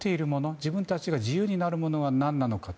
自分たちが自由になるものは何なのかと。